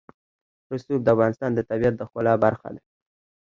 رسوب د افغانستان د طبیعت د ښکلا برخه ده.